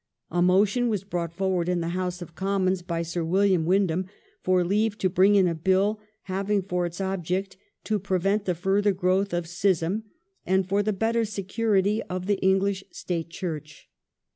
A motion was brought forward in the House of Commons by Sir William Windham for leave to bring in a BiU having for its object to prevent the further growth of schism, and for the better security of the English State Church.